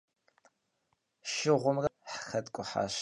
Şşığumre foşşığumre psım xetk'uhaş.